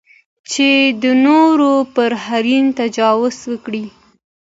چې د نورو پر حریم تجاوز وکړي.